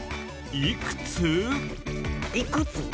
いくつ？